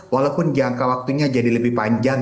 walaupun jangka waktunya jadi lebih panjang